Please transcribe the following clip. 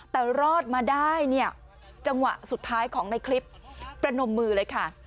แต่รอดมาได้เนี่ยจังหวะสุดท้ายของในคลิปประนมมือเลยค่ะ